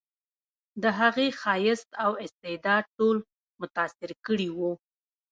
د هغې ښایست او استعداد ټول متاثر کړي وو